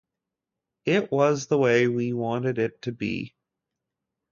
It was the way we wanted it to be.